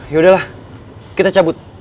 yaudahlah kita cabut